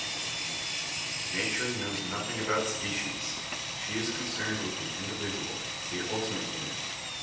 198 BIOLOGY "Nature knows nothing about species; she is concerned with the individual, the ultimate unit.